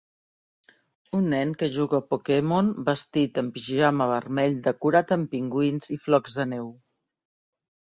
Un nen que juga a Pokemon vestit amb pijama vermell decorat amb pingüins i flocs de neu.